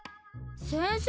先生！？